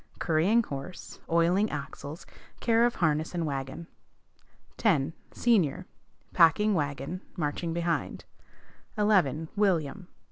Currying horse, oiling axles, care of harness and wagon. 10. Senior. Packing wagon. Marching behind. 11. William.